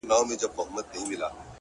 هوښیار انسان د فرصت ارزښت پېژني!